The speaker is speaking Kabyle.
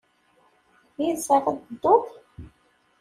Yid-s ara ad tedduḍ?